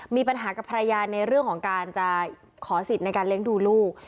มีปัญหากับภรรยาในเรื่องของการจะขอสิทธิ์ในการเลี้ยงดูลูก